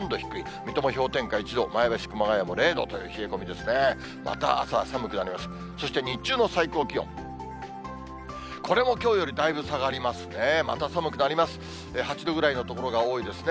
水戸も氷点下１度、前橋、熊谷も０度という冷え込みですね。